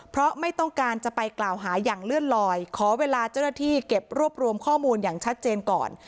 เพราะไม่ต้องการจะไปกล่าวหาอย่างเลื่อนลอยขอเวลาเจ้าหน้าที่เก็บรวบรวมข้อมูลอย่างชัดเจนก่อน